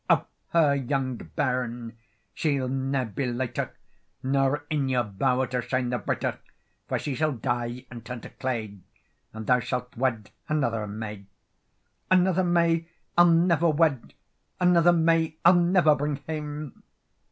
"Of her young bairn she's ne'er be lighter, Nor in your bow'r to shine the brighter; For she shall die, and turn to clay, And thou shall wed another may." "Another may I'll never wed, Another may I'll never bring hame."